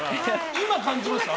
今感じました？